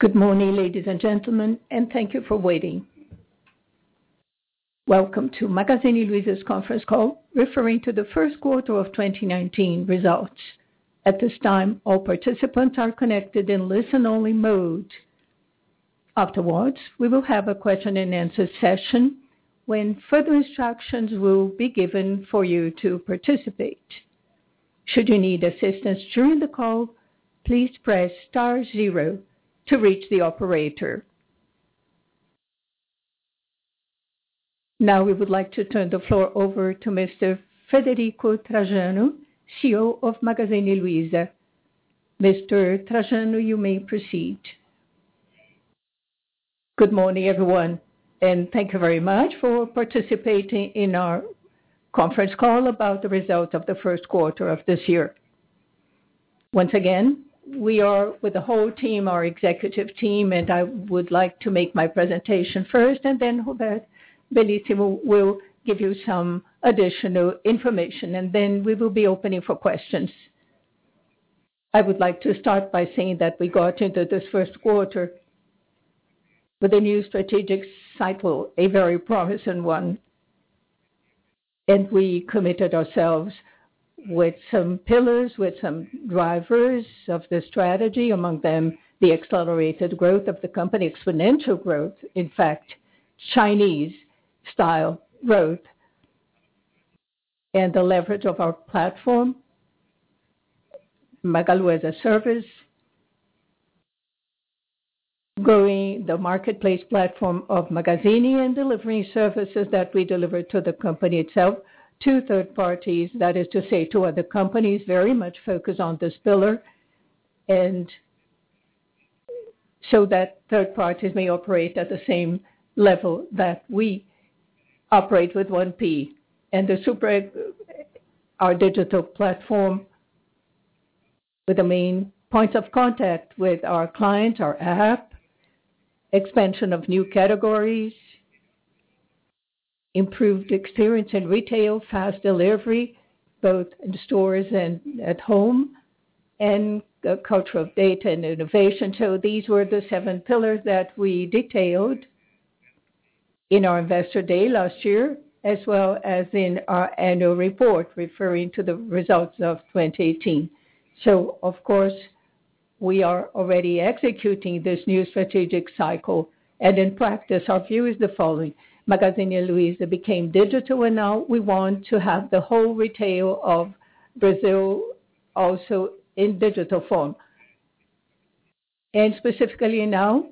Good morning, ladies and gentlemen, and thank you for waiting. Welcome to Magazine Luiza's conference call, referring to the first quarter of 2019 results. At this time, all participants are connected in listen only mode. Afterwards, we will have a question and answer session when further instructions will be given for you to participate. Should you need assistance during the call, please press star zero to reach the operator. Now we would like to turn the floor over to Mr. Frederico Trajano, CEO of Magazine Luiza. Mr. Trajano, you may proceed. Good morning, everyone, and thank you very much for participating in our conference call about the result of the first quarter of this year. Once again, we are with the whole team, our executive team. I would like to make my presentation first, then Roberto Bellissimo will give you some additional information, then we will be opening for questions. I would like to start by saying that we got into this first quarter with a new strategic cycle, a very promising one. We committed ourselves with some pillars, with some drivers of the strategy. Among them, the accelerated growth of the company, exponential growth, in fact, Chinese style growth. The leverage of our platform, Magalu as a Service. Growing the marketplace platform of Magazine and delivery services that we deliver to the company itself, to third parties. That is to say, to other companies very much focused on this pillar. So that third parties may operate at the same level that we operate with 1P. The SuperApp, our digital platform with the main points of contact with our client, our app. Expansion of new categories. Improved experience in retail, fast delivery, both in stores and at home. The culture of data and innovation. These were the seven pillars that we detailed in our investor day last year, as well as in our annual report referring to the results of 2018. Of course, we are already executing this new strategic cycle and in practice our view is the following: Magazine Luiza became digital and now we want to have the whole retail of Brazil also in digital form. Specifically now,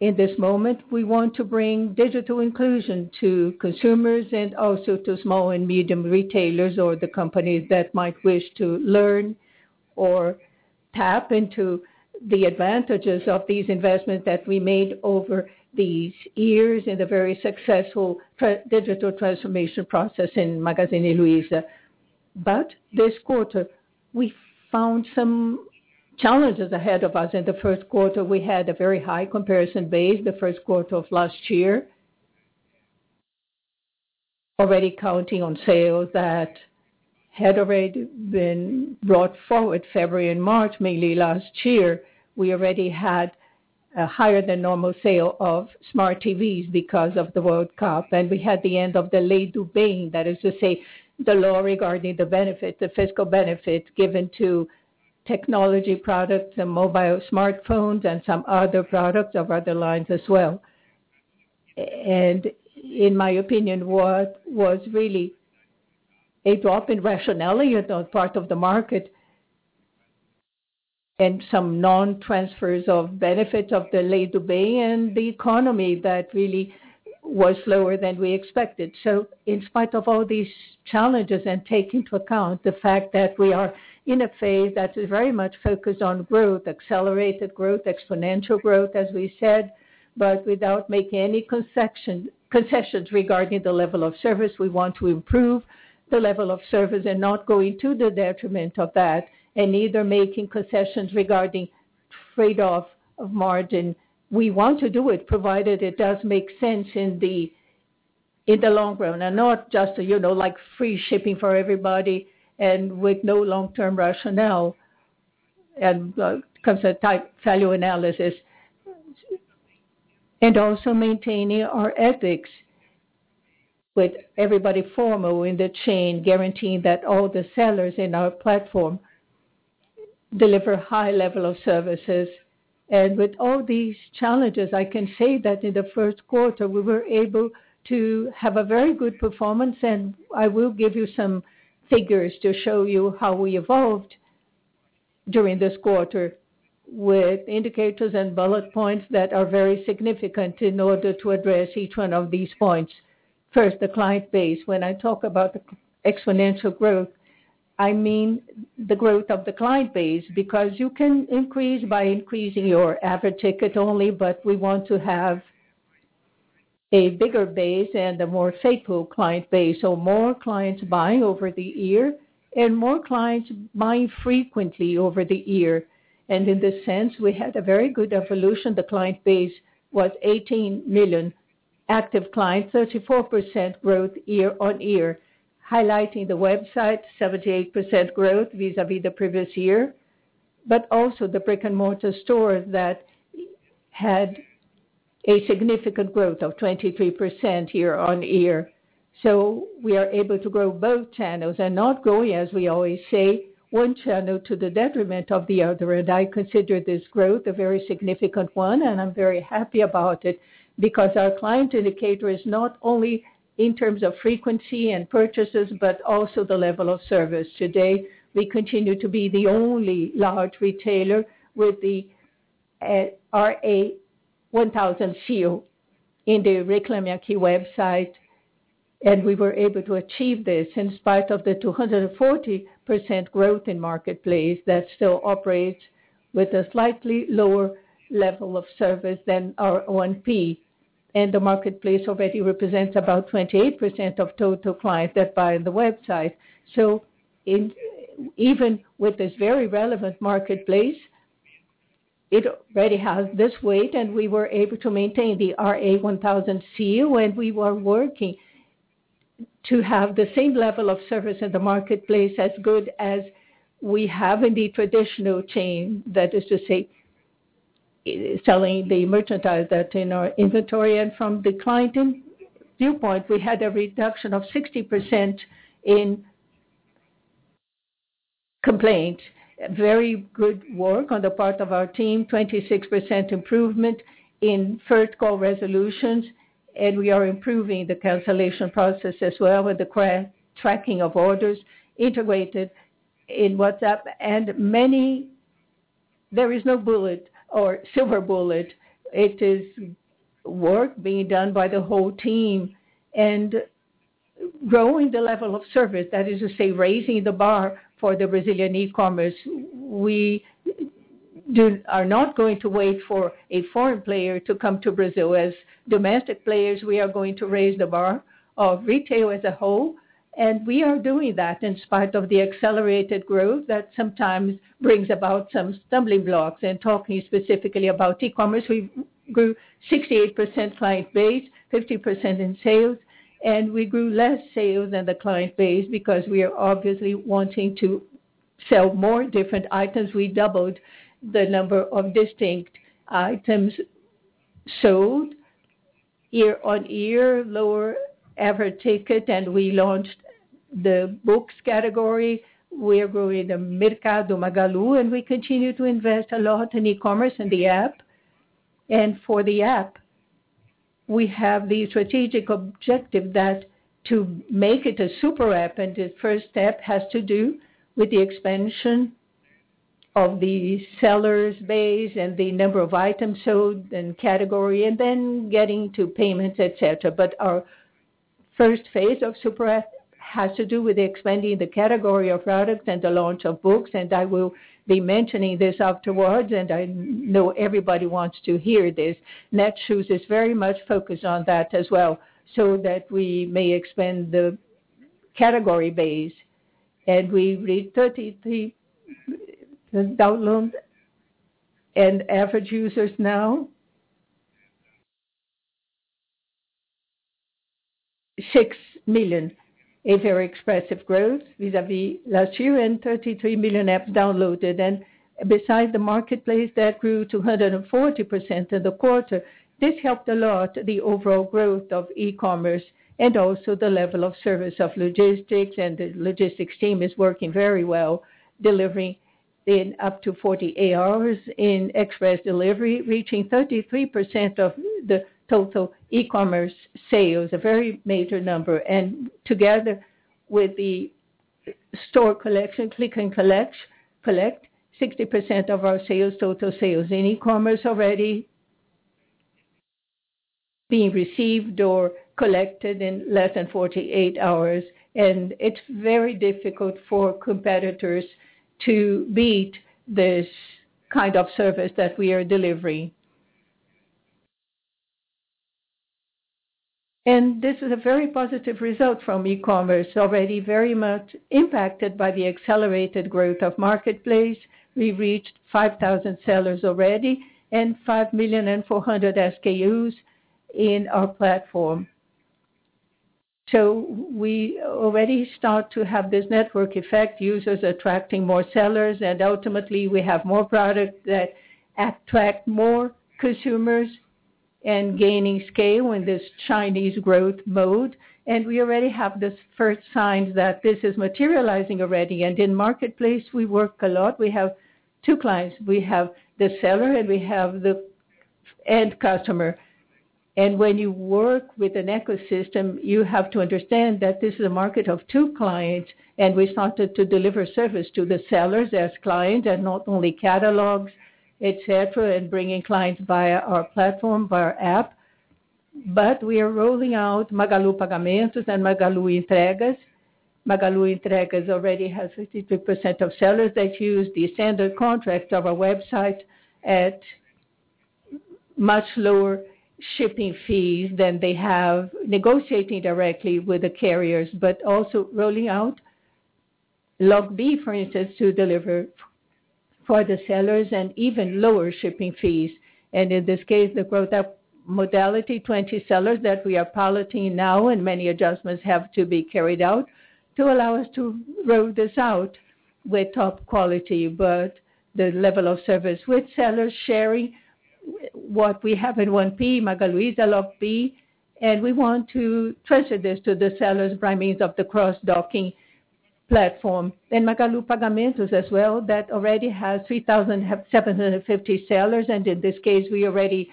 in this moment, we want to bring digital inclusion to consumers and also to small and medium retailers or the companies that might wish to learn or tap into the advantages of these investments that we made over these years in the very successful digital transformation process in Magazine Luiza. This quarter, we found some challenges ahead of us. In the first quarter, we had a very high comparison base, the first quarter of last year. Already counting on sales that had already been brought forward February and March, mainly last year. We already had a higher than normal sale of smart TVs because of the World Cup. We had the end of the Lei do Bem. That is to say, the law regarding the benefits, the fiscal benefits given to technology products and mobile smartphones and some other products of other lines as well. In my opinion, what was really a drop in rationality on part of the market and some non-transfers of benefits of the Lei do Bem and the economy that really was lower than we expected. In spite of all these challenges and take into account the fact that we are in a phase that is very much focused on growth, accelerated growth, exponential growth, as we said, but without making any concessions regarding the level of service. We want to improve the level of service and not going to the detriment of that and neither making concessions regarding trade-off of margin. We want to do it provided it does make sense in the long run and not just like free shipping for everybody and with no long-term rationale and concept type value analysis. Also maintaining our ethics with everybody formal in the chain, guaranteeing that all the sellers in our platform deliver high level of services. With all these challenges, I can say that in the first quarter we were able to have a very good performance. I will give you some figures to show you how we evolved during this quarter with indicators and bullet points that are very significant in order to address each one of these points. First, the client base. When I talk about the exponential growth, I mean the growth of the client base because you can increase by increasing your average ticket only, but we want to have a bigger base and a more faithful client base. More clients buying over the year and more clients buying frequently over the year. In this sense, we had a very good evolution. The client base was 18 million active clients, 34% growth year-on-year. Highlighting the website, 78% growth vis-à-vis the previous year, but also the brick-and-mortar store that had a significant growth of 23% year-on-year. We are able to grow both channels and not growing, as we always say, one channel to the detriment of the other. I consider this growth a very significant one, and I'm very happy about it because our client indicator is not only in terms of frequency and purchases, but also the level of service. Today, we continue to be the only large retailer with the RA1000 seal in the Reclame Aqui website, and we were able to achieve this in spite of the 240% growth in marketplace that still operates with a slightly lower level of service than our own 1P. The marketplace already represents about 28% of total clients that buy on the website. Even with this very relevant marketplace, it already has this weight, and we were able to maintain the RA1000 seal and we were working to have the same level of service in the marketplace as good as we have in the traditional chain. That is to say, selling the merchandise that's in our inventory. From the client viewpoint, we had a reduction of 60% in complaints. Very good work on the part of our team, 26% improvement in first call resolutions, and we are improving the cancellation process as well with the tracking of orders integrated in WhatsApp. There is no bullet or silver bullet. It is work being done by the whole team and growing the level of service. That is to say, raising the bar for the Brazilian e-commerce. We are not going to wait for a foreign player to come to Brazil. As domestic players, we are going to raise the bar of retail as a whole, and we are doing that in spite of the accelerated growth that sometimes brings about some stumbling blocks. Talking specifically about e-commerce, we grew 68% client base, 50% in sales. We grew less sales than the client base because we are obviously wanting to sell more different items. We doubled the number of distinct items sold year-on-year, lower average ticket. We launched the books category. We are growing the Mercado Magalu. We continue to invest a lot in e-commerce in the app. For the app, we have the strategic objective to make it a SuperApp. The first step has to do with the expansion of the sellers base, the number of items sold and category, then getting to payments, et cetera. Our first phase of SuperApp has to do with expanding the category of products and the launch of books. I will be mentioning this afterwards. I know everybody wants to hear this. Netshoes is very much focused on that as well, so that we may expand the category base. We reached 33 downloads and average users now 6 million. A very expressive growth vis-à-vis last year. 33 million apps downloaded. Besides the marketplace that grew 240% in the quarter, this helped a lot the overall growth of e-commerce and also the level of service of logistics. The logistics team is working very well, delivering in up to 48 hours in express delivery, reaching 33% of the total e-commerce sales, a very major number. Together with the store collection, click and collect, 60% of our total sales in e-commerce already being received or collected in less than 48 hours. It's very difficult for competitors to beat this kind of service that we are delivering. This is a very positive result from e-commerce, already very much impacted by the accelerated growth of marketplace. We've reached 5,000 sellers already and 5 million and 400 SKUs in our platform. We already start to have this network effect, users attracting more sellers. Ultimately, we have more product that attract more consumers and gaining scale in this Chinese growth mode. We already have the first signs that this is materializing already. In marketplace, we work a lot. We have two clients. We have the seller, and we have the end customer. When you work with an ecosystem, you have to understand that this is a market of two clients. We started to deliver service to the sellers as client, not only catalogs, et cetera, bringing clients via our platform, via our app. We are rolling out Magalu Pagamentos and Magalu Entregas. Magalu Entregas already has 53% of sellers that use the standard contracts of our website at much lower shipping fees than they have negotiating directly with the carriers. Also rolling out Log B, for instance, to deliver for the sellers and even lower shipping fees. In this case, the Growth Up modality, 20 sellers that we are piloting now, many adjustments have to be carried out to allow us to roll this out with top quality. The level of service with sellers sharing what we have in 1P, Magalu, Log B, we want to transfer this to the sellers by means of the cross-docking platform. Magalu Pagamentos as well, that already has 3,750 sellers, in this case, we already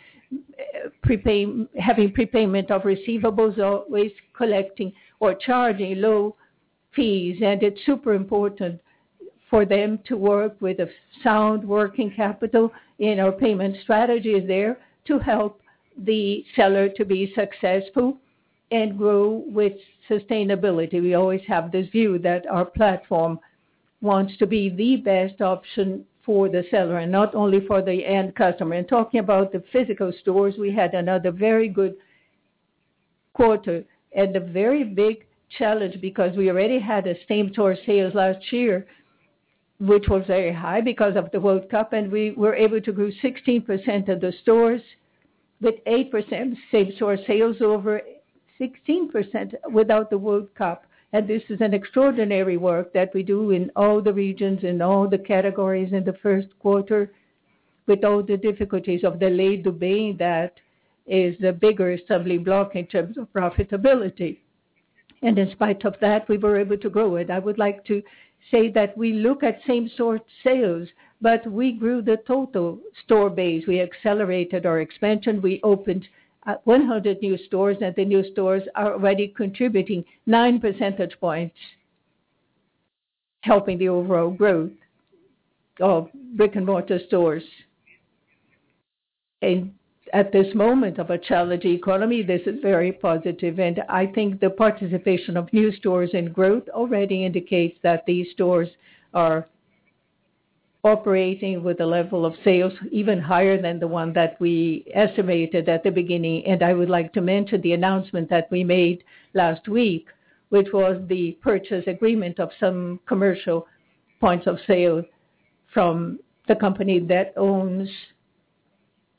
having prepayment of receivables, always collecting or charging low fees. It's super important for them to work with a sound working capital, and our payment strategy is there to help the seller to be successful and grow with sustainability. We always have this view that our platform wants to be the best option for the seller and not only for the end customer. Talking about the physical stores, we had another very good quarter and a very big challenge because we already had the same store sales last year, which was very high because of the World Cup, we were able to grow 16% of the stores with 8% same store sales over 16% without the World Cup. This is an extraordinary work that we do in all the regions, in all the categories in the first quarter with all the difficulties of delayed opening that is the bigger stumbling block in terms of profitability. In spite of that, we were able to grow it. I would like to say that we look at same store sales, but we grew the total store base. We accelerated our expansion. We opened 100 new stores, the new stores are already contributing nine percentage points, helping the overall growth of brick-and-mortar stores. At this moment of a challenged economy, this is very positive. I think the participation of new stores in growth already indicates that these stores are operating with a level of sales even higher than the one that we estimated at the beginning. I would like to mention the announcement that we made last week, which was the purchase agreement of some commercial points of sale from the company that owns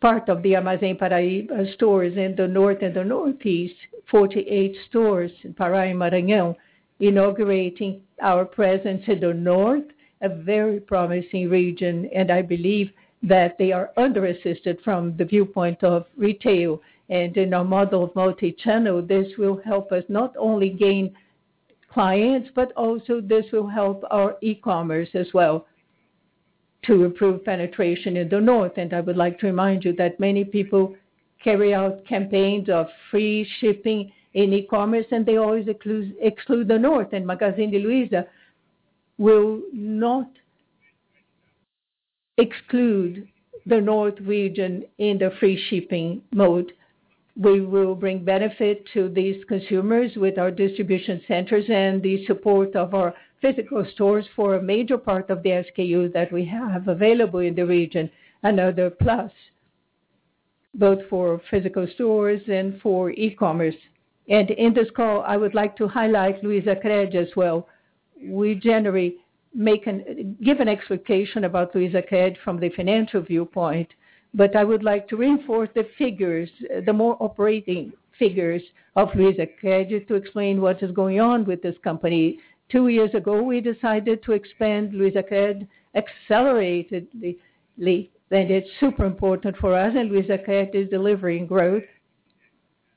part of the Magazine Paraíba stores in the North and the Northeast, 48 stores in Paraíba and Maranhão, inaugurating our presence in the North, a very promising region, and I believe that they are underserved from the viewpoint of retail. In our model of multi-channel, this will help us not only gain clients, also this will help our e-commerce as well to improve penetration in the North. I would like to remind you that many people carry out campaigns of free shipping in e-commerce, they always exclude the North. Magazine Luiza will not exclude the North region in the free shipping mode. We will bring benefit to these consumers with our distribution centers and the support of our physical stores for a major part of the SKU that we have available in the region. Another plus, both for physical stores and for e-commerce. In this call, I would like to highlight LuizaCred as well. We generally give an expectation about LuizaCred from the financial viewpoint. I would like to reinforce the figures, the more operating figures of LuizaCred to explain what is going on with this company. Two years ago, we decided to expand LuizaCred acceleratedly, it's super important for us. LuizaCred is delivering growth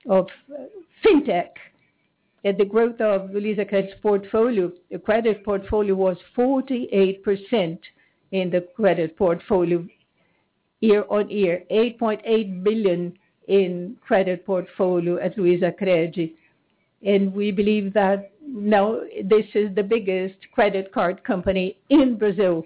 of fintech. The growth of LuizaCred's portfolio, the credit portfolio was 48% in the credit portfolio year-on-year, BRL 8.8 billion in credit portfolio at LuizaCred. We believe that now this is the biggest credit card company in Brazil,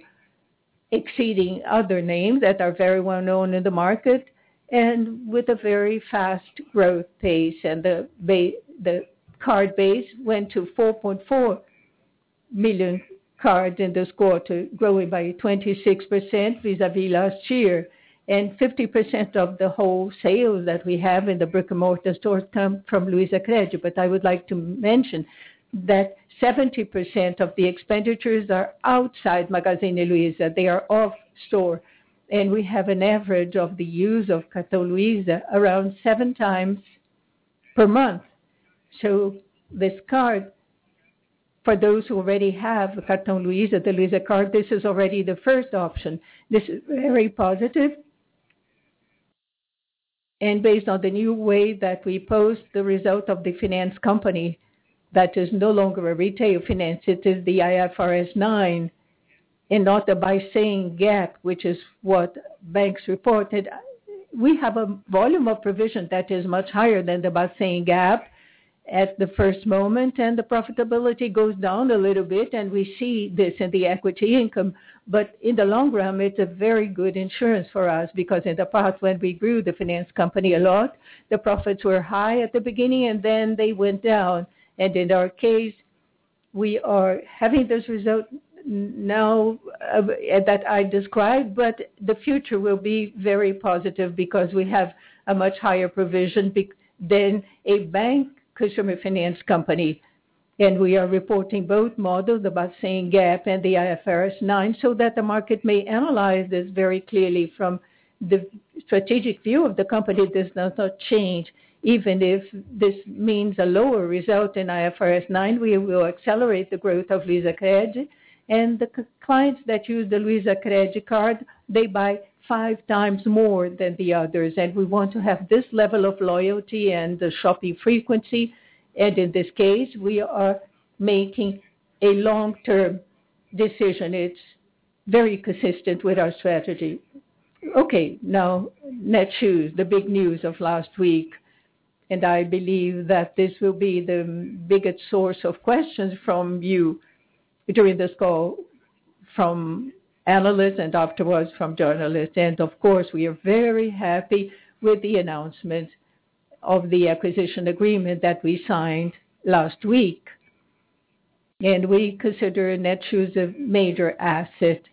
exceeding other names that are very well known in the market and with a very fast growth pace. The card base went to 4.4 million cards in this quarter, growing by 26% vis-à-vis last year. 50% of the wholesale that we have in the brick-and-mortar stores come from LuizaCred. I would like to mention that 70% of the expenditures are outside Magazine Luiza. They are off store. We have an average of the use of Cartão Luiza around seven times per month. This card, for those who already have Cartão Luiza, the Cartão Luiza, this is already the first option. This is very positive. Based on the new way that we post the result of the finance company, that is no longer a retail finance, it is the IFRS 9 and not the Basel GAAP, which is what banks reported. We have a volume of provision that is much higher than the Basel GAAP at the first moment. The profitability goes down a little bit, and we see this in the equity income. In the long run, it's a very good insurance for us because in the past when we grew the finance company a lot, the profits were high at the beginning and then they went down. In our case, we are having this result now that I described, but the future will be very positive because we have a much higher provision than a bank consumer finance company. We are reporting both models, the Basel GAAP and the IFRS 9, so that the market may analyze this very clearly from the strategic view of the company. This does not change, even if this means a lower result in IFRS 9. We will accelerate the growth of LuizaCred. The clients that use the LuizaCred card, they buy five times more than the others. We want to have this level of loyalty and the shopping frequency. In this case, we are making a long-term decision. It's very consistent with our strategy. Okay. Now, Netshoes, the big news of last week. I believe that this will be the biggest source of questions from you during this call from analysts and afterwards from journalists. Of course, we are very happy with the announcement of the acquisition agreement that we signed last week. We consider Netshoes a major asset.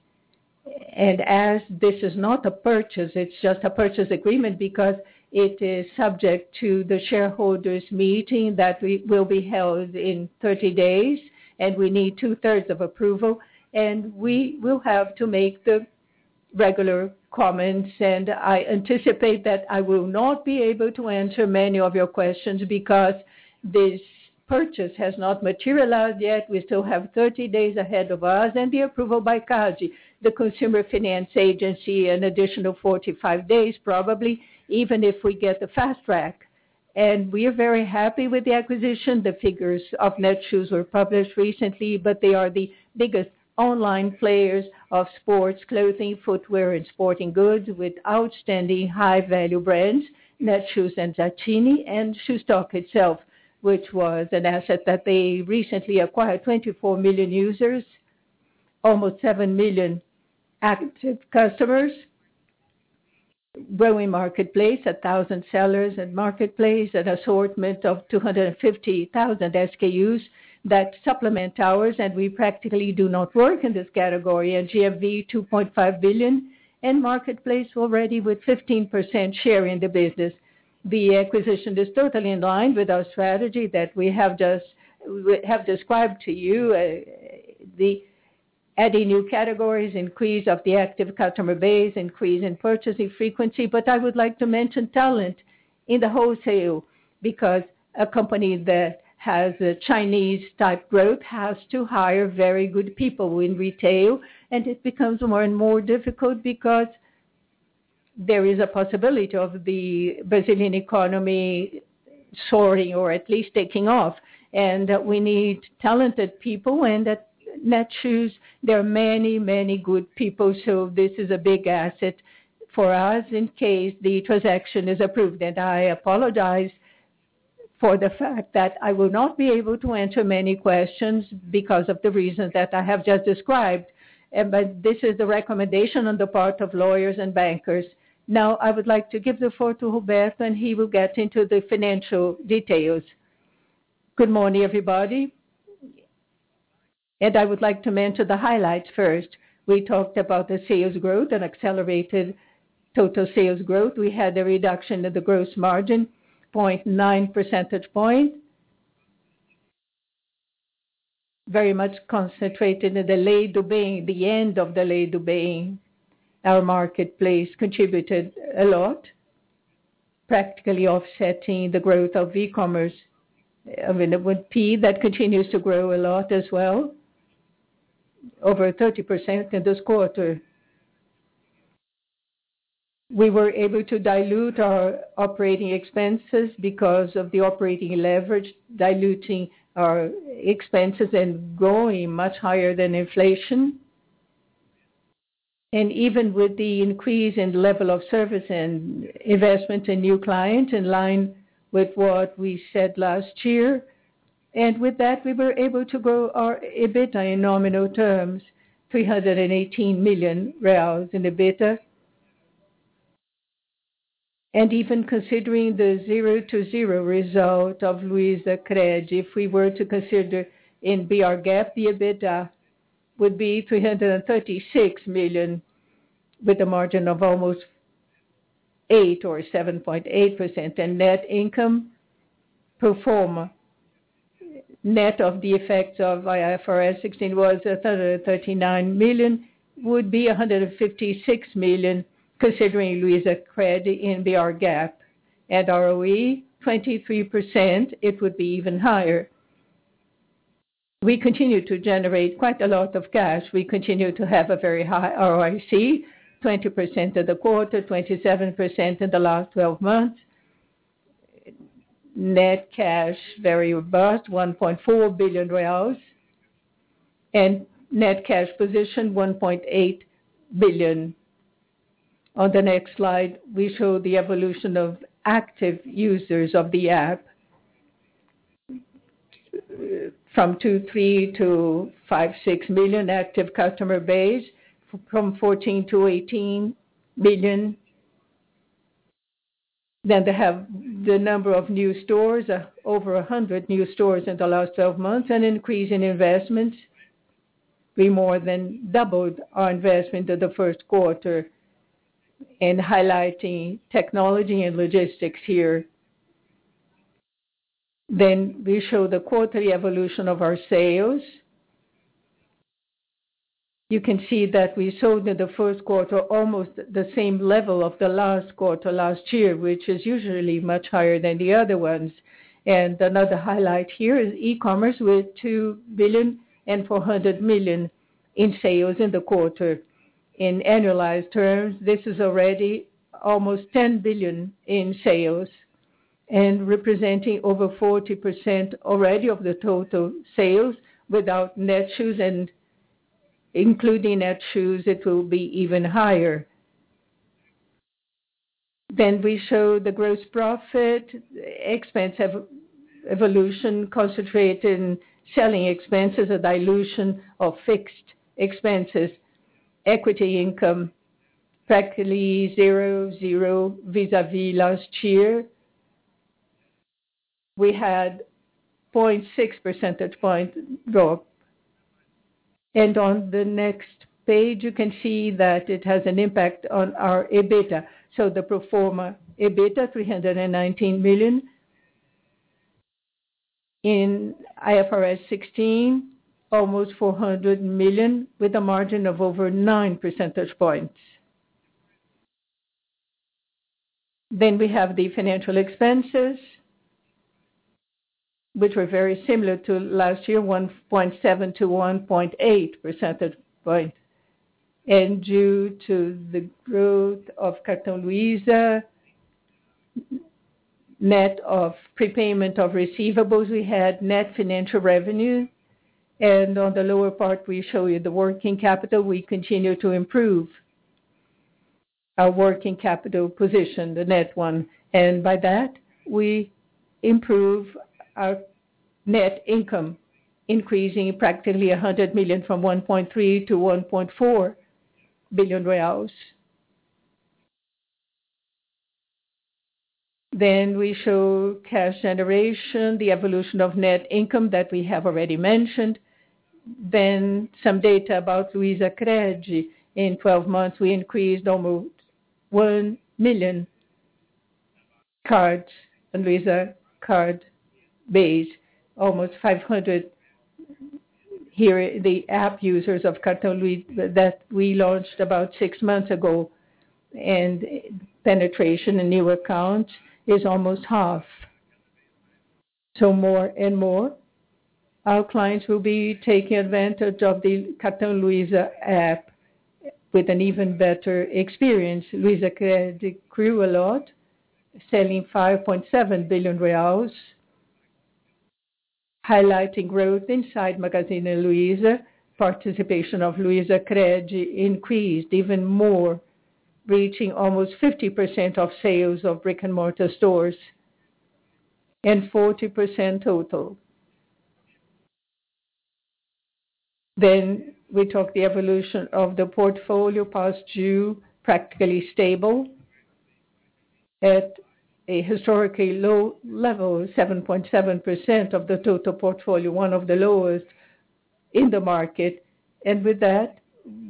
As this is not a purchase, it's just a purchase agreement because it is subject to the shareholders' meeting that will be held in 30 days, and we need two-thirds of approval. We will have to make the regular comments. I anticipate that I will not be able to answer many of your questions because this purchase has not materialized yet. We still have 30 days ahead of us and the approval by CADE, the Consumer Finance Agency, an additional 45 days probably, even if we get the fast track. We are very happy with the acquisition. The figures of Netshoes were published recently, but they are the biggest online players of sports clothing, footwear, and sporting goods with outstanding high-value brands, Netshoes and Zattini and Shoestock itself, which was an asset that they recently acquired. 24 million users, almost seven million active customers. Growing marketplace, 1,000 sellers in marketplace, an assortment of 250,000 SKUs that supplement ours, and we practically do not work in this category. GMV 2.5 billion in marketplace already with 15% share in the business. The acquisition is totally in line with our strategy that we have described to you. The adding new categories, increase of the active customer base, increase in purchasing frequency. I would like to mention talent in the wholesale because a company that has a Chinese-type growth has to hire very good people in retail, and it becomes more and more difficult because there is a possibility of the Brazilian economy soaring or at least taking off. We need talented people. At Netshoes, there are many good people. This is a big asset for us in case the transaction is approved. I apologize for the fact that I will not be able to answer many questions because of the reason that I have just described. This is the recommendation on the part of lawyers and bankers. Now, I would like to give the floor to Roberto and he will get into the financial details. Good morning, everybody. I would like to mention the highlights first. We talked about the sales growth and accelerated total sales growth. We had a reduction in the gross margin, 0.9 percentage point. Very much concentrated in the Lei do Bem, the end of the Lei do Bem. Our marketplace contributed a lot, practically offsetting the growth of e-commerce. I mean, it would be that continues to grow a lot as well, over 30% in this quarter. We were able to dilute our operating expenses because of the operating leverage, diluting our expenses and growing much higher than inflation. Even with the increase in level of service and investment in new clients, in line with what we said last year. With that, we were able to grow our EBITDA in nominal terms, 318 million reais in EBITDA. Even considering the zero to zero result of Luizacred, if we were to consider in BR GAAP, the EBITDA would be 336 million, with a margin of almost 8% or 7.8%. Net income pro forma, net of the effects of IFRS 16 was 339 million, would be 156 million considering Luizacred in BR GAAP. ROE 23%, it would be even higher. We continue to generate quite a lot of cash. We continue to have a very high ROIC, 20% in the quarter, 27% in the last 12 months. Net cash, very robust, 1.4 billion reais. Net cash position, 1.8 billion. On the next slide, we show the evolution of active users of the app. From 2 million-3 million to 5 million-6 million active customer base from 14 million to 18 million. They have the number of new stores, over 100 new stores in the last 12 months, an increase in investment. We more than doubled our investment in the first quarter. Highlighting technology and logistics here. We show the quarterly evolution of our sales. You can see that we sold in the first quarter almost the same level of the last quarter last year, which is usually much higher than the other ones. Another highlight here is e-commerce with 2.4 billion in sales in the quarter. In annualized terms, this is already almost 10 billion in sales and representing over 40% already of the total sales without Netshoes, and including Netshoes, it will be even higher. We show the gross profit expense evolution concentrated in selling expenses, a dilution of fixed expenses. Equity income, practically zero vis-a-vis last year. We had 0.6 percentage point drop. On the next page, you can see that it has an impact on our EBITDA. The pro forma EBITDA, 319 million. In IFRS 16, almost 400 million with a margin of over 9 percentage points. We have the financial expenses, which were very similar to last year, 1.7 to 1.8 percentage points. Due to the growth of Cartão Luiza, net of prepayment of receivables, we had net financial revenue. On the lower part, we show you the working capital. We continue to improve our working capital position, the net one. By that, we improve our net income, increasing practically 100 million from 1.3 billion to 1.4 billion reais. We show cash generation, the evolution of net income that we have already mentioned. Some data about LuizaCred. In 12 months, we increased almost 1 million cards on LuizaCard base, almost 500 here, the app users of Cartão Luiza that we launched about six months ago. Penetration in new account is almost half. More and more our clients will be taking advantage of the Cartão Luiza app with an even better experience. LuizaCred grew a lot, selling 5.7 billion reais. Highlighting growth inside Magazine Luiza, participation of LuizaCred increased even more, reaching almost 50% of sales of brick-and-mortar stores and 40% total. We talk the evolution of the portfolio past due, practically stable at a historically low level of 7.7% of the total portfolio, one of the lowest in the market. With that,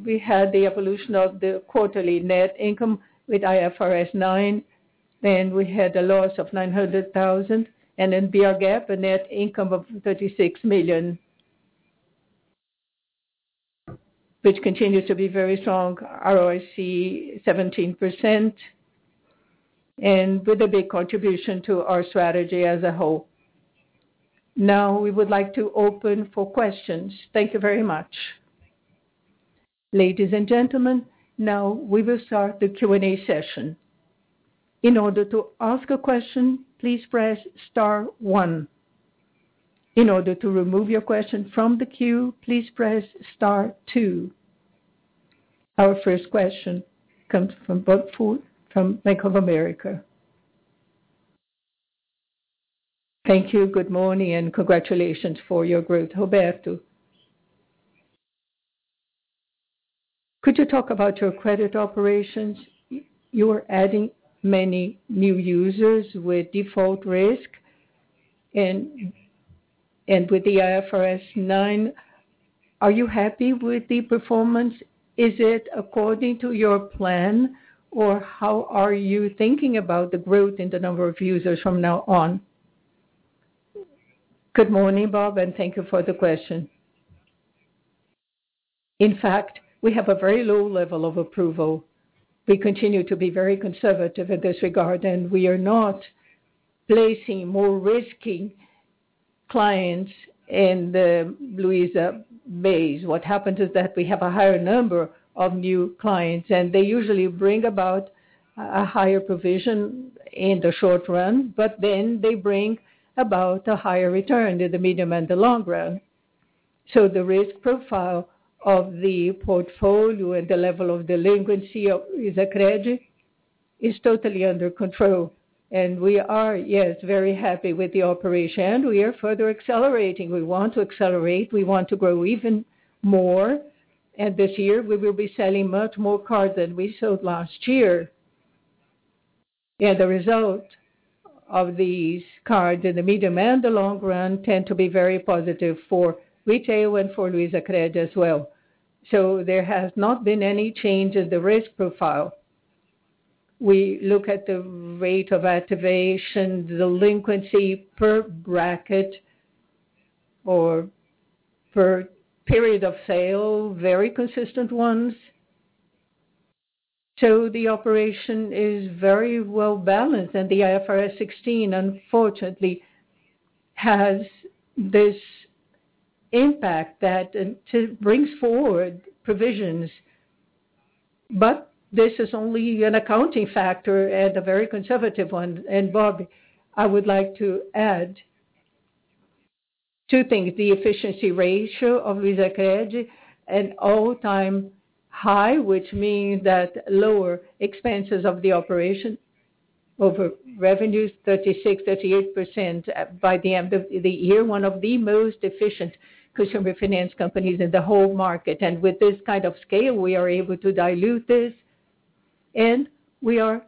we had the evolution of the quarterly net income with IFRS 9, and we had a loss of 900,000. In BR GAAP, a net income of 36 million, which continues to be very strong. ROIC 17%. With a big contribution to our strategy as a whole. We would like to open for questions. Thank you very much. Ladies and gentlemen, now we will start the Q&A session. In order to ask a question, please press star one. In order to remove your question from the queue, please press star two. Our first question comes from Bob Ford from Bank of America. Thank you. Good morning and congratulations for your growth. Roberto, could you talk about your credit operations? You are adding many new users with default risk and with the IFRS 9, are you happy with the performance? Is it according to your plan or how are you thinking about the growth in the number of users from now on? Good morning, Bob, and thank you for the question. In fact, we have a very low level of approval. We continue to be very conservative in this regard, and we are not placing more risky clients in the Luiza base. What happens is that we have a higher number of new clients, and they usually bring about a higher provision in the short run, but then they bring about a higher return in the medium and the long run. The risk profile of the portfolio and the level of delinquency of LuizaCred is totally under control. We are, yes, very happy with the operation, and we are further accelerating. We want to accelerate. We want to grow even more. This year we will be selling much more cards than we sold last year. Yeah, the result of these cards in the medium and the long run tend to be very positive for retail and for LuizaCred as well. There has not been any change in the risk profile. We look at the rate of activation, delinquency per bracket or per period of sale, very consistent ones. The operation is very well-balanced, and the IFRS 16, unfortunately, has this impact that it brings forward provisions. This is only an accounting factor and a very conservative one. Bob, I would like to add two things, the efficiency ratio of LuizaCred at all-time high, which means that lower expenses of the operation over revenues 36%, 38% by the end of the year, one of the most efficient consumer finance companies in the whole market. With this kind of scale, we are able to dilute this, and we are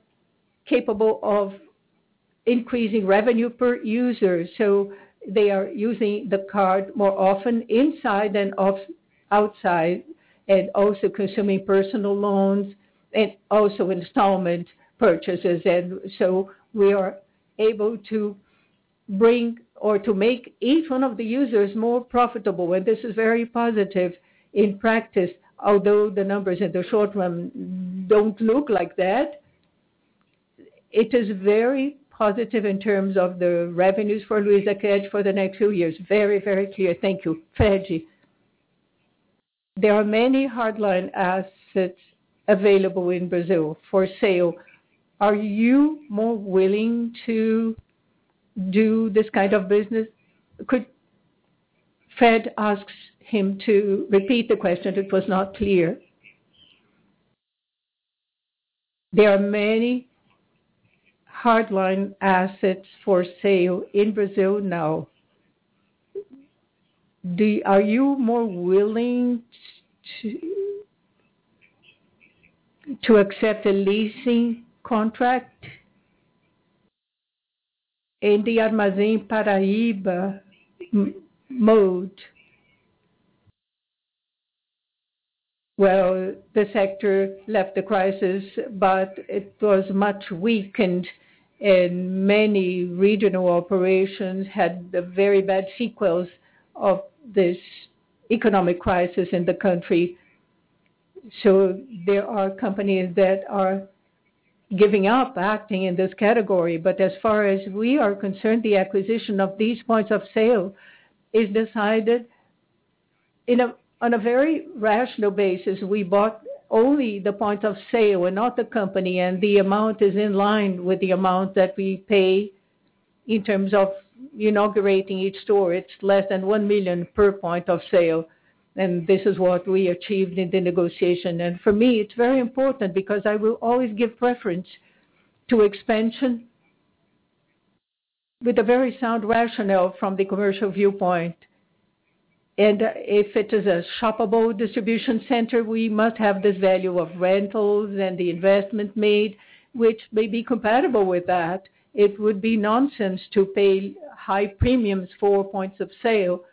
capable of increasing revenue per user. They are using the card more often inside than outside and also consuming personal loans and also installment purchases. We are able to bring or to make each one of the users more profitable. This is very positive in practice, although the numbers in the short run don't look like that. It is very positive in terms of the revenues for LuizaCred for the next few years. Very, very clear. Thank you. Fred. There are many hardline assets available in Brazil for sale. Are you more willing to do this kind of business? Fred asks him to repeat the question. It was not clear. There are many hardline assets for sale in Brazil now. Are you more willing to accept a leasing contract? In the Armazém Paraíba mode. Well, the sector left the crisis, but it was much weakened, and many regional operations had the very bad sequels of this economic crisis in the country. There are companies that are giving up acting in this category. As far as we are concerned, the acquisition of these points of sale is decided on a very rational basis. We bought only the point of sale and not the company, and the amount is in line with the amount that we pay in terms of inaugurating each store. It's less than 1 million per point of sale, and this is what we achieved in the negotiation. For me, it's very important because I will always give preference to expansion with a very sound rationale from the commercial viewpoint. If it is a shoppable distribution center, we must have the value of rentals and the investment made, which may be compatible with that. It would be nonsense to pay high premiums for points of sale.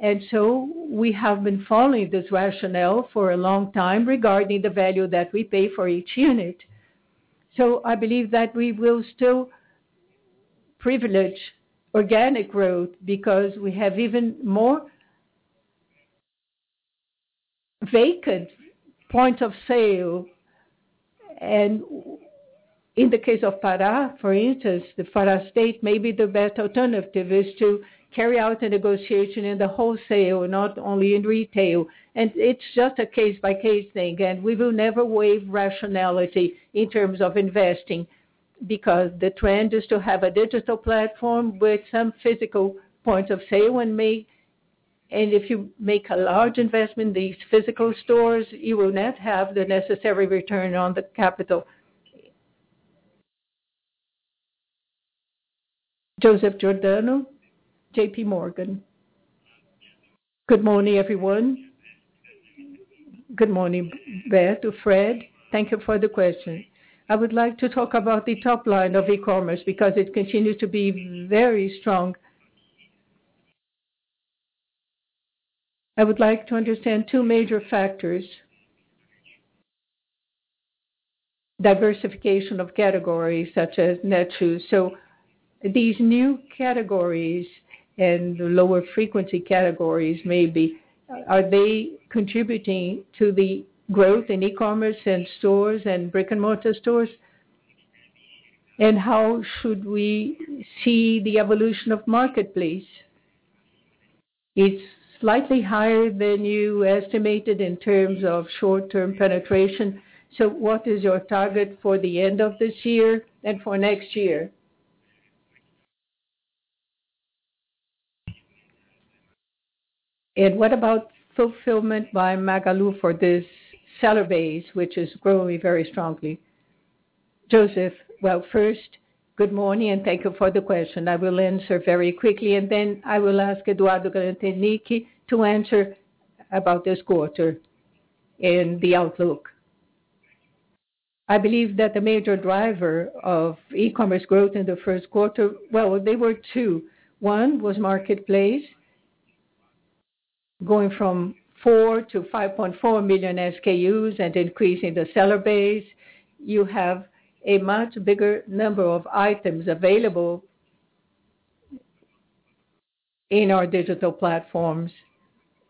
We have been following this rationale for a long time regarding the value that we pay for each unit. I believe that we will still privilege organic growth because we have even more vacant points of sale. In the case of Pará, for instance, the Pará State, maybe the best alternative is to carry out a negotiation in the wholesale, not only in retail. It is just a case-by-case thing, and we will never waive rationality in terms of investing because the trend is to have a digital platform with some physical points of sale when made. If you make a large investment in these physical stores, you will not have the necessary return on the capital. Joseph Giordano, J.P. Morgan. Good morning, everyone. Good morning, Beth or Fred. Thank you for the question. I would like to talk about the top line of e-commerce because it continues to be very strong. I would like to understand two major factors. Diversification of categories such as Netshoes. These new categories and the lower frequency categories, maybe, are they contributing to the growth in e-commerce and stores and brick-and-mortar stores? How should we see the evolution of marketplace? It is slightly higher than you estimated in terms of short-term penetration. What is your target for the end of this year and for next year? What about fulfillment by Magalu for this seller base, which is growing very strongly? Joseph. Well, first, good morning, and thank you for the question. I will answer very quickly, and then I will ask Eduardo Galanternick to answer about this quarter in the outlook. I believe that the major driver of e-commerce growth in the first quarter, there were two. One was marketplace, going from four to 5.4 million SKUs and increasing the seller base. You have a much bigger number of items available in our digital platforms,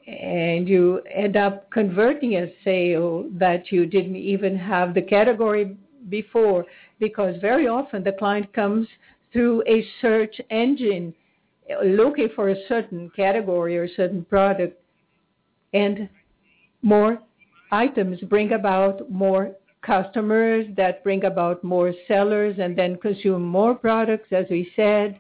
and you end up converting a sale that you did not even have the category before. Because very often the client comes through a search engine looking for a certain category or a certain product. More items bring about more customers that bring about more sellers, and then consume more products, as we said.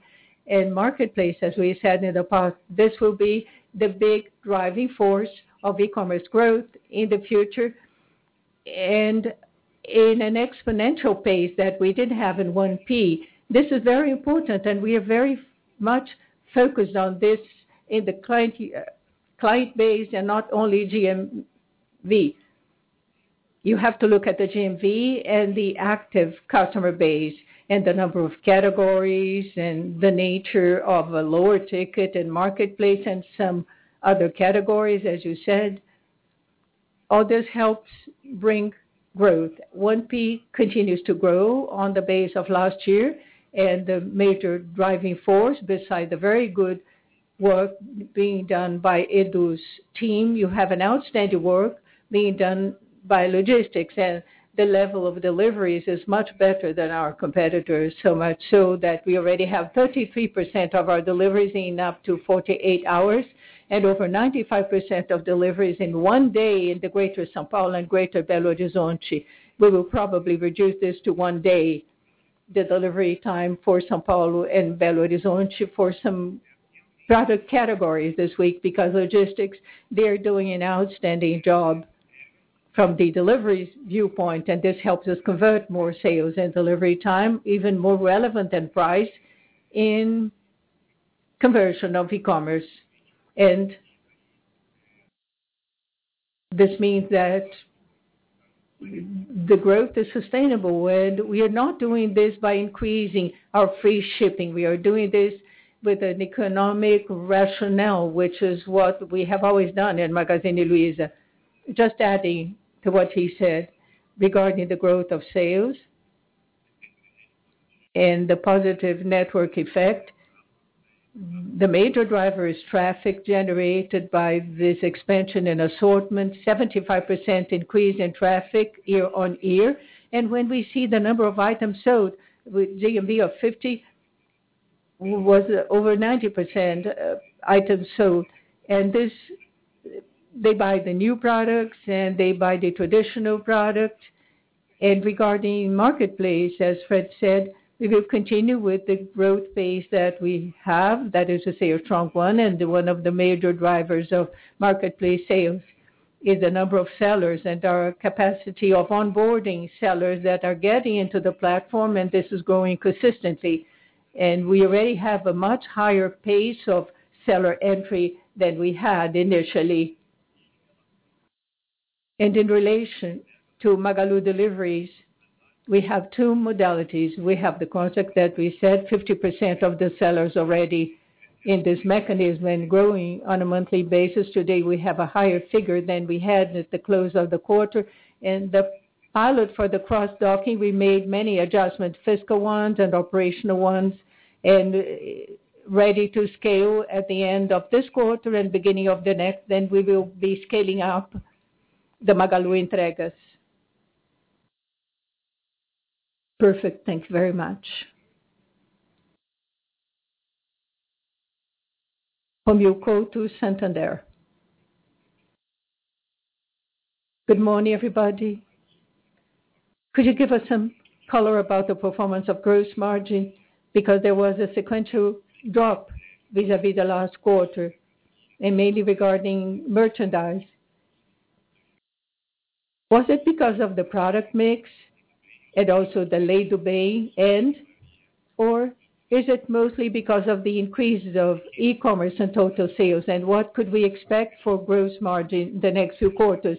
Marketplace, as we said in the past, this will be the big driving force of e-commerce growth in the future, in an exponential pace that we did not have in 1P. This is very important, and we are very much focused on this in the client base and not only GMV. You have to look at the GMV and the active customer base, and the number of categories, and the nature of a lower ticket in marketplace and some other categories, as you said. All this helps bring growth. 1P continues to grow on the base of last year. The major driving force, beside the very good work being done by Edu's team, you have an outstanding work being done by logistics, and the level of deliveries is much better than our competitors. So much so that we already have 33% of our deliveries in up to 48 hours, and over 95% of deliveries in one day in the greater São Paulo and greater Belo Horizonte. We will probably reduce this to one day, the delivery time for São Paulo and Belo Horizonte for some product categories this week, because logistics, they're doing an outstanding job from the deliveries viewpoint, and this helps us convert more sales. Delivery time, even more relevant than price in conversion of e-commerce. This means that the growth is sustainable. We are not doing this by increasing our free shipping. We are doing this with an economic rationale, which is what we have always done in Magazine Luiza. Just adding to what he said regarding the growth of sales and the positive network effect. The major driver is traffic generated by this expansion in assortment. 75% increase in traffic year-over-year. When we see the number of items sold with GMV of 50, was over 90% items sold. They buy the new products, and they buy the traditional product. Regarding marketplace, as Fred said, we will continue with the growth pace that we have. That is a sales trunk one, and one of the major drivers of marketplace sales is the number of sellers and our capacity of onboarding sellers that are getting into the platform, and this is growing consistently. We already have a much higher pace of seller entry than we had initially. In relation to Magalu Entregas, we have two modalities. We have the concept that we said 50% of the sellers already in this mechanism and growing on a monthly basis. Today, we have a higher figure than we had at the close of the quarter. The pilot for the cross docking, we made many adjustments, fiscal ones and operational ones. Ready to scale at the end of this quarter and beginning of the next, then we will be scaling up the Magalu Entregas. Perfect. Thank you very much. Romeo, go to Santander. Good morning, everybody. Could you give us some color about the performance of gross margin? Because there was a sequential drop vis-à-vis the last quarter, and mainly regarding merchandise. Was it because of the product mix and also the Lei do Bem end, or is it mostly because of the increases of e-commerce and total sales? What could we expect for gross margin the next two quarters?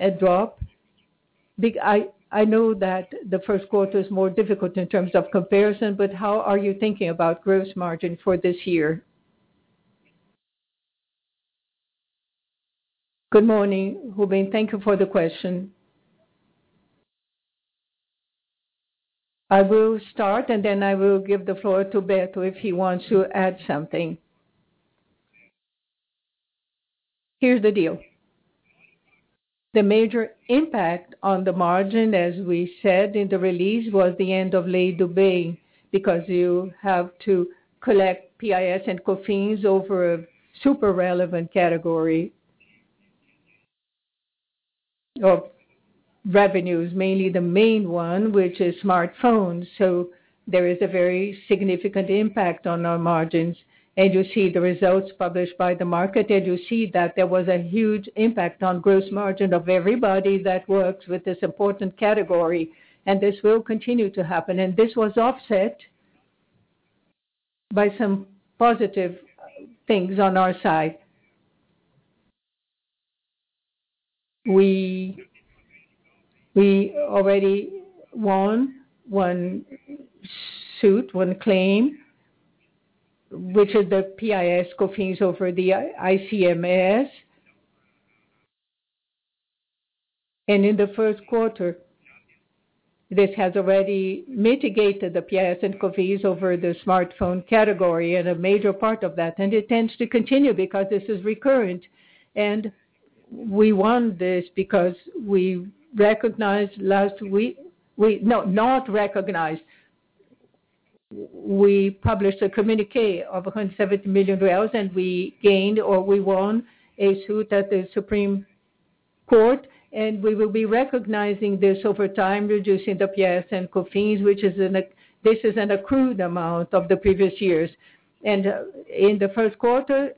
A drop? I know that the first quarter is more difficult in terms of comparison, how are you thinking about gross margin for this year? Good morning, Romy. Thank you for the question. I will start, and then I will give the floor to Beto if he wants to add something. Here's the deal. The major impact on the margin, as we said in the release, was the end of Lei do Bem, because you have to collect PIS and COFINS over a super relevant category of revenues, mainly the main one, which is smartphones. There is a very significant impact on our margins. You see the results published by the market, and you see that there was a huge impact on gross margin of everybody that works with this important category, and this will continue to happen. This was offset by some positive things on our side. We already won one suit, one claim, which is the PIS/COFINS over the ICMS. In the first quarter, this has already mitigated the PIS and COFINS over the smartphone category and a major part of that. It tends to continue because this is recurrent. We won this because we published a communiqué of 170 million, and we gained or we won a suit at the Supreme Federal Court, and we will be recognizing this over time, reducing the PIS and COFINS, this is an accrued amount of the previous years. In the first quarter,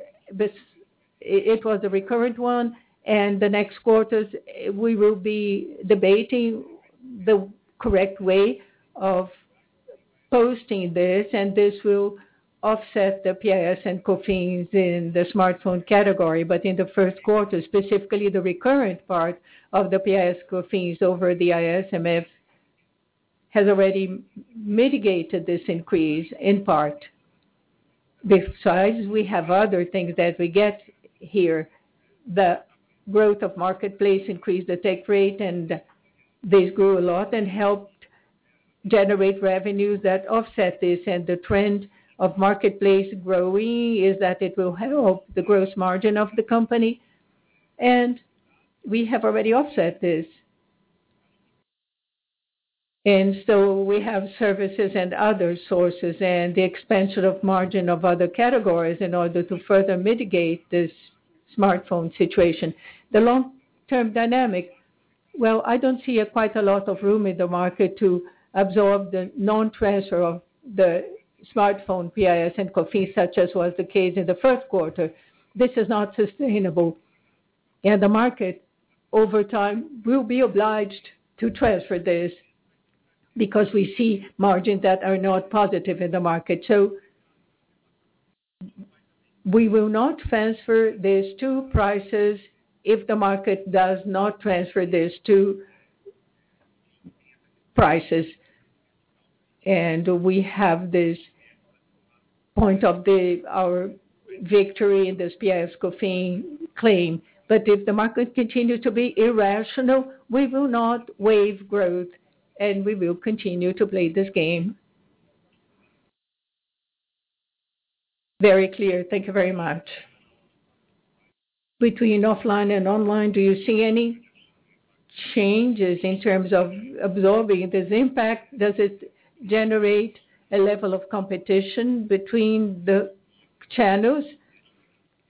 it was a recurrent one, the next quarters, we will be debating the correct way of posting this will offset the PIS and COFINS in the smartphone category. In the first quarter, specifically the recurrent part of the PIS/COFINS over the ICMS, has already mitigated this increase in part. Besides, we have other things that we get here. The growth of marketplace increased the take rate, this grew a lot and helped generate revenue that offset this. The trend of marketplace growing is that it will help the gross margin of the company, we have already offset this. We have services and other sources and the expansion of margin of other categories in order to further mitigate this smartphone situation. The long-term dynamic, well, I don't see quite a lot of room in the market to absorb the non-transfer of the smartphone PIS and COFINS, such as was the case in the first quarter. This is not sustainable. The market, over time, will be obliged to transfer this because we see margins that are not positive in the market. We will not transfer these two prices if the market does not transfer these two prices. We have this point of our victory in this PIS/COFINS claim. If the market continues to be irrational, we will not waive growth, we will continue to play this game. Very clear. Thank you very much. Between offline and online, do you see any changes in terms of absorbing this impact? Does it generate a level of competition between the channels?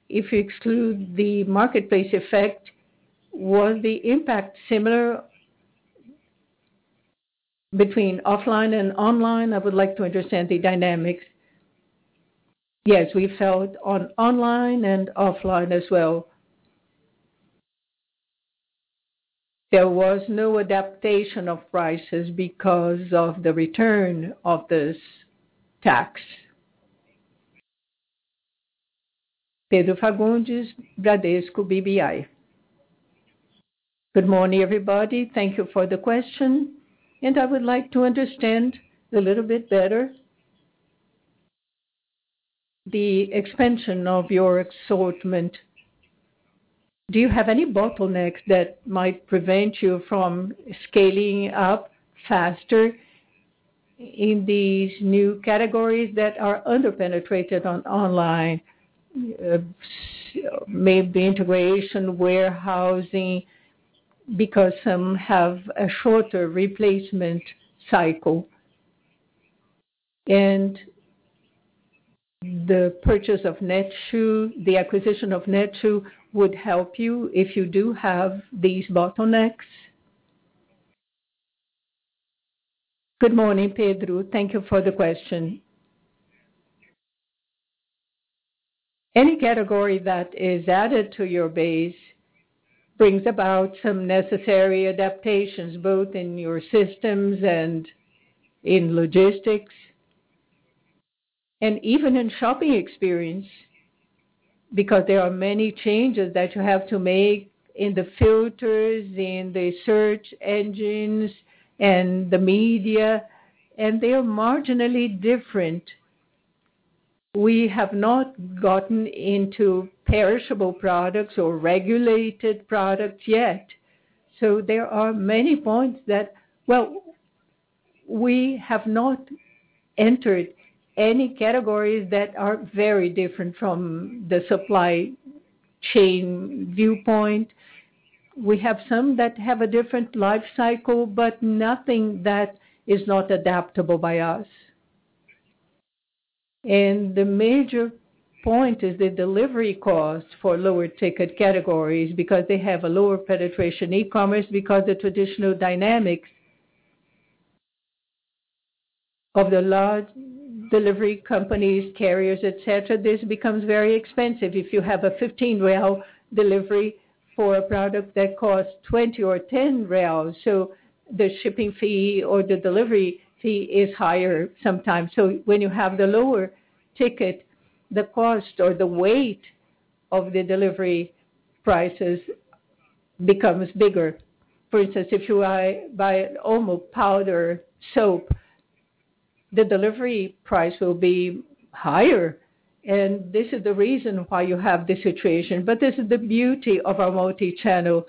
If you exclude the marketplace effect, was the impact similar between offline and online? I would like to understand the dynamics. Yes, we felt on online and offline as well. There was no adaptation of prices because of the return of this tax. Pedro Fagundes, Bradesco BBI. Good morning, everybody. Thank you for the question. I would like to understand a little bit better the expansion of your assortment. Do you have any bottlenecks that might prevent you from scaling up faster in these new categories that are under-penetrated on online? Maybe integration, warehousing, because some have a shorter replacement cycle. The purchase of Netshoes, the acquisition of Netshoes would help you if you do have these bottlenecks. Good morning, Pedro. Thank you for the question. Any category that is added to your base brings about some necessary adaptations, both in your systems, in logistics, even in shopping experience, because there are many changes that you have to make in the filters, in the search engines, the media, they are marginally different. We have not gotten into perishable products or regulated products yet. There are many points that, well, we have not entered any categories that are very different from the supply chain viewpoint. We have some that have a different life cycle, but nothing that is not adaptable by us. The major point is the delivery cost for lower ticket categories because they have a lower penetration e-commerce because the traditional dynamics of the large delivery companies, carriers, et cetera. This becomes very expensive if you have a 15 delivery. For a product that costs 20 or 10, the shipping fee or the delivery fee is higher sometimes. When you have the lower ticket, the cost or the weight of the delivery prices becomes bigger. For instance, if you buy OMO powder soap, the delivery price will be higher, and this is the reason why you have this situation. This is the beauty of our multi-channel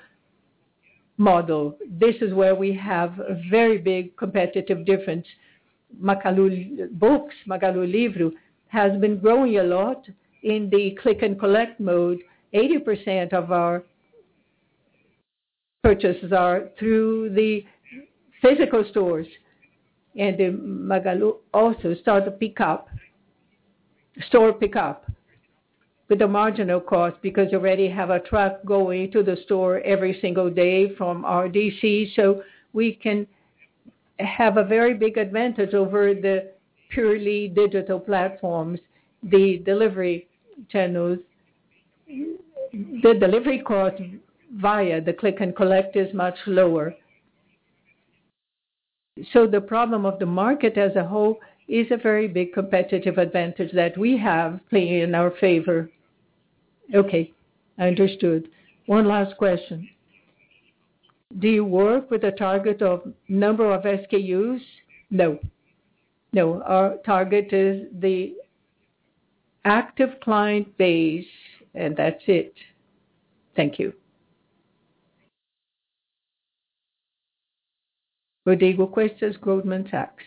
model. This is where we have a very big competitive difference. Books, Magalu Livros, has been growing a lot in the click and collect mode. 80% of our purchases are through the physical stores. Magalu also started store pickup with a marginal cost because you already have a truck going to the store every single day from our DC. We can have a very big advantage over the purely digital platforms, the delivery channels. The delivery cost via the click and collect is much lower. The problem of the market as a whole is a very big competitive advantage that we have playing in our favor. Okay. Understood. One last question. Do you work with a target of number of SKUs? No. Our target is the active client base, and that's it. Thank you. Rodrigo Costa, Goldman Sachs.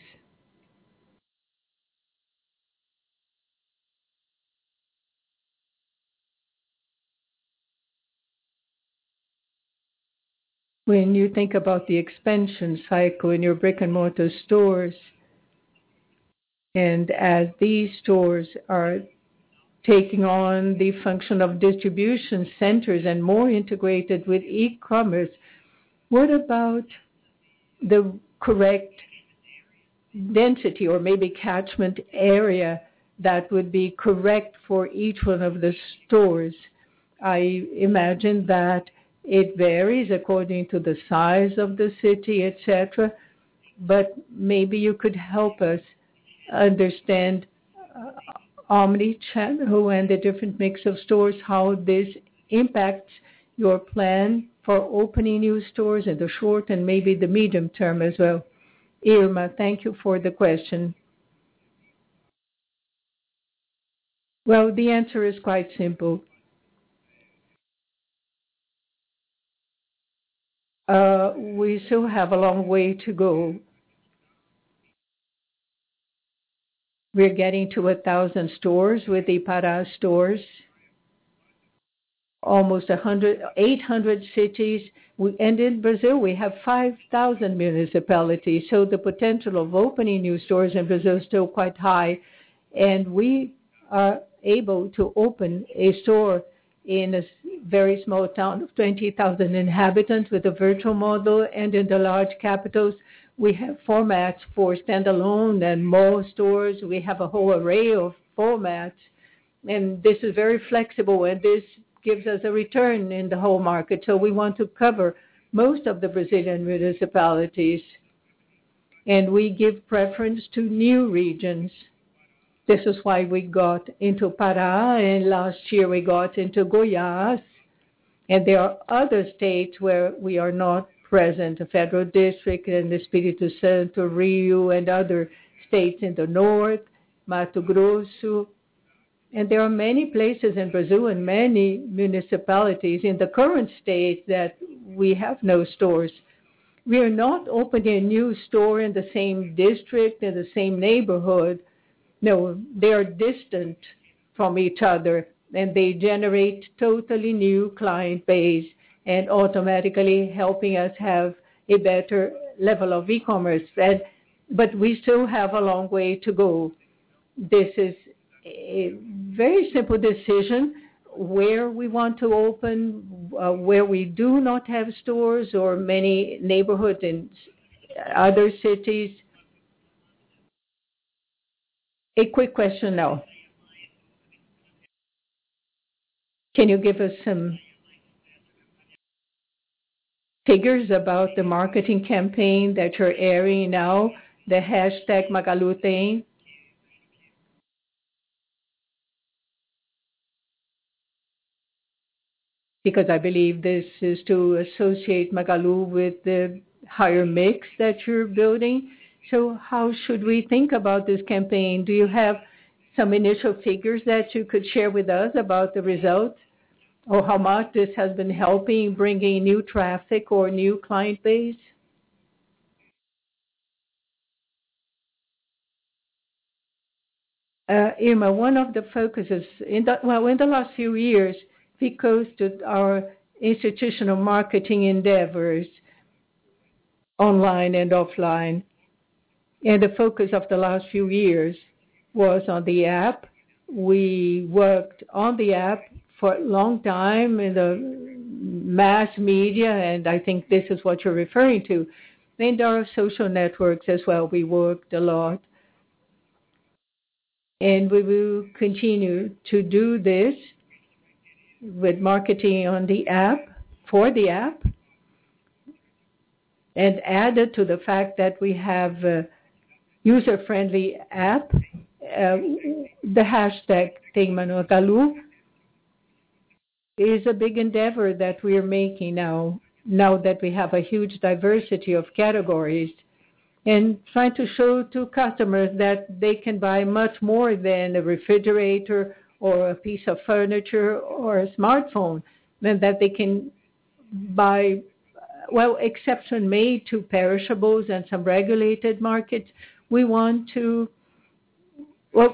When you think about the expansion cycle in your brick-and-mortar stores, as these stores are taking on the function of distribution centers and more integrated with e-commerce, what about the correct density or maybe catchment area that would be correct for each one of the stores? I imagine that it varies according to the size of the city, et cetera. Maybe you could help us understand omnichannel and the different mix of stores, how this impacts your plan for opening new stores in the short and maybe the medium term as well. Irma, thank you for the question. Well, the answer is quite simple. We still have a long way to go. We're getting to 1,000 stores with the Pará stores. Almost 800 cities. In Brazil, we have 5,000 municipalities. The potential of opening new stores in Brazil is still quite high. We are able to open a store in a very small town of 20,000 inhabitants with a virtual model. In the large capitals, we have formats for standalone and mall stores. We have a whole array of formats, and this is very flexible, and this gives us a return in the whole market. We want to cover most of the Brazilian municipalities, and we give preference to new regions. This is why we got into Pará, and last year we got into Goiás. There are other states where we are not present, the Federal District and Espírito Santo, Rio, and other states in the north, Mato Grosso. There are many places in Brazil and many municipalities in the current state that we have no stores. We are not opening a new store in the same district and the same neighborhood. No, they are distant from each other, they generate totally new client base and automatically helping us have a better level of e-commerce. We still have a long way to go. This is a very simple decision, where we want to open, where we do not have stores or many neighborhoods in other cities. A quick question now. Can you give us some figures about the marketing campaign that you're airing now, the #Magalu thing? I believe this is to associate Magalu with the higher mix that you're building. How should we think about this campaign? Do you have some initial figures that you could share with us about the results, or how much this has been helping bringing new traffic or new client base? Irma, well, in the last few years, because our institutional marketing endeavors online and offline, the focus of the last few years was on the app. We worked on the app for a long time in the mass media, I think this is what you're referring to. Our social networks as well, we worked a lot. We will continue to do this with marketing on the app, for the app. Added to the fact that we have a user-friendly app, the hashtag Tem no Magalu is a big endeavor that we are making now that we have a huge diversity of categories. Trying to show to customers that they can buy much more than a refrigerator or a piece of furniture or a smartphone. That they can buy, well, exception made to perishables and some regulated markets. Well,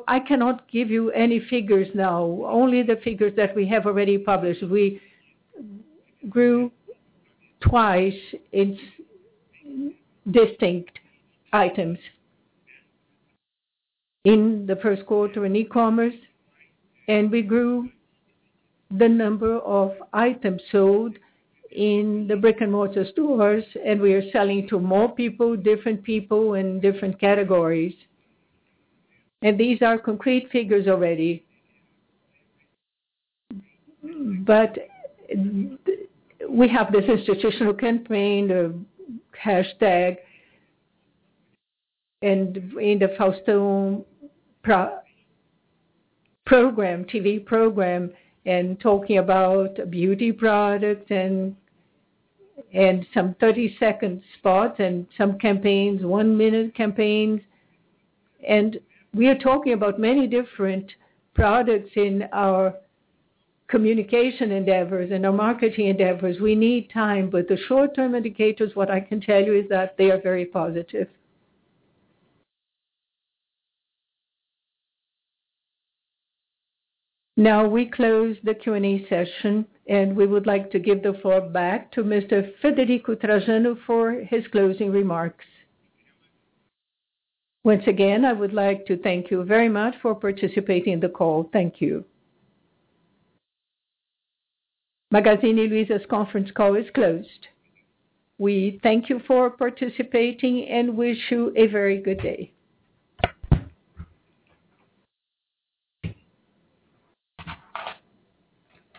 I cannot give you any figures now, only the figures that we have already published. We grew twice its distinct items in the first quarter in e-commerce, we grew the number of items sold in the brick-and-mortar stores, we are selling to more people, different people, in different categories. These are concrete figures already. We have this institutional campaign, the hashtag, in the Fausto program, TV program, talking about beauty products and some 30-second spots and some campaigns, one-minute campaigns. We are talking about many different products in our communication endeavors and our marketing endeavors. We need time. The short-term indicators, what I can tell you is that they are very positive. Now we close the Q&A session, we would like to give the floor back to Mr. Frederico Trajano for his closing remarks. Once again, I would like to thank you very much for participating in the call. Thank you. Magazine Luiza's conference call is closed. We thank you for participating and wish you a very good day.